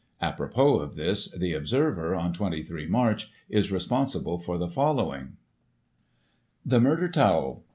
Apropos of this, the Observer of 23 March is responsible for the following :" The Murderer Tawell.